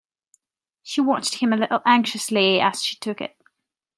She watched him a little anxiously as she took it.